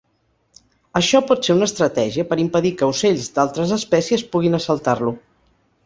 Això pot ser una estratègia per impedir que ocells d'altres espècies puguin assaltar-lo.